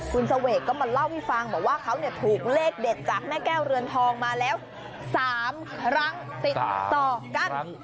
คุณเสวกก็มาเล่าให้ฟังบอกว่าเขาถูกเลขเด็ดจากแม่แก้วเรือนทองมาแล้ว๓ครั้งติดต่อกัน